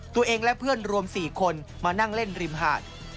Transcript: ตัวเองและเพื่อนรวม๔คนมานั่งเล่นริมหาด